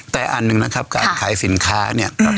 แต่อันหนึ่งนะครับการขายสินค้าเนี่ย